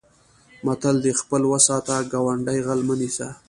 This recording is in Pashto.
متل دی: خپل و ساته ګاونډی غل مه نیسه.